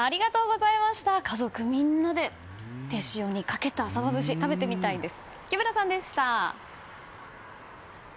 家族みんなで手塩にかけたサバ節食べてみたいです。